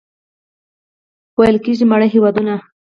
ویل کېږي ماړه هېوادونه.